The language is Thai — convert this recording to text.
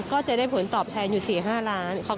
ก็จะได้ผลตอบแทนอยู่๔๕ล้าน